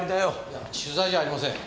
いや取材じゃありません。